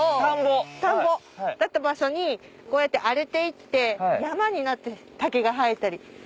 田んぼだった場所にこうやって荒れていって山になって竹が生えたり。